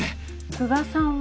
久我さんは？